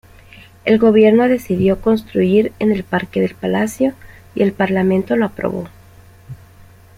El gobierno decidió construir en el Parque del Palacio, y el parlamento lo aprobó.